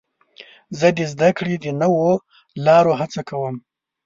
زه د زدهکړې د نوو لارو هڅه کوم.